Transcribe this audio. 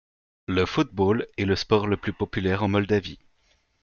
Le football est le sport le plus populaire en Moldavie.